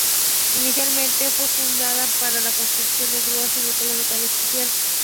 Inicialmente fue fundada para la construcción de grúas y vehículos de carga especial.